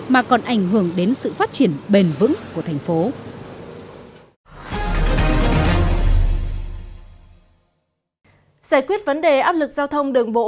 mà còn ảnh hưởng đến sự phát triển bền vững của thành phố